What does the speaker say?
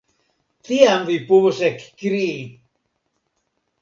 Tiam vi povos ekkrii.